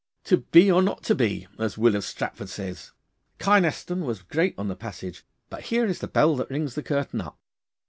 '"To be or not to be?" as Will of Stratford says. Kynaston was great on the passage. But here is the bell that rings the curtain up.